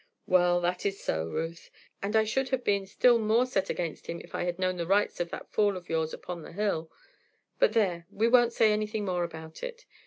"Well, that is so, Ruth, and I should have been still more set against him if I had known the rights of that fall of yours upon the hill; but there, we won't say anything more about it.